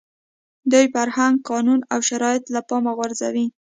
دوی فرهنګ، قانون او شرایط له پامه غورځوي.